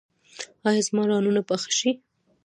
ایا زما رانونه به ښه شي؟